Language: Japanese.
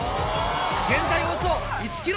現在およそ１ｋｍ地点。